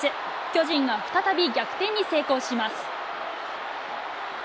巨人が再び逆転に成功します。